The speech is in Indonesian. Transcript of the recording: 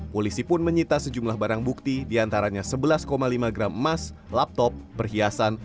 polisi pun menyita sejumlah barang bukti diantaranya sebelas lima gram emas laptop perhiasan